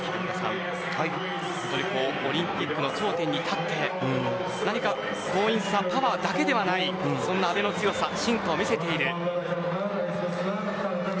オリンピックの頂点に立って何か強引さパワーだけではない阿部の強さの進化を見せている。